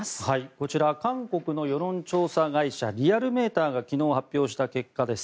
こちら、韓国の世論調査会社リアルメーターが昨日発表した結果です。